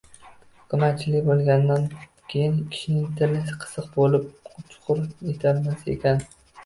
Hukumatchilik bo‘lg‘andan keyin kishining tili qisiq bo‘lub, churq etalmas ekan…